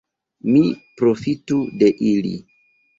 Mi profitu de ili.